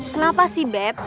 kenapa sih beb